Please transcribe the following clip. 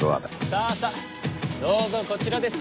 さあさあどうぞこちらです。